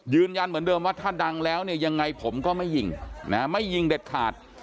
ยืนยันเหมือนเดิมว่าถ้าดังแล้วเนี่ยยังไงผมก็ไม่ยิงไม่ยิงเด็ดขาด